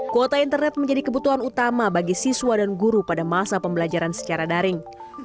kuota internet menjadi kebutuhan utama bagi siswa dan guru pada masa pembelajaran secara daring